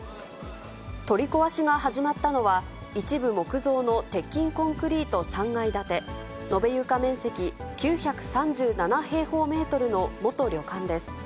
取り壊しが始まったのは、一部木造の鉄筋コンクリート３階建て、延床面積９３７平方メートルの元旅館です。